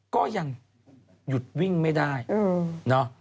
ก็ยังหยุดวิ่งไม่ได้เนอะ